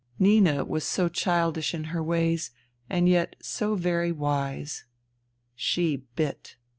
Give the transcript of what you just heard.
Nina was so childish in her ways, and yet so very wise. She bit.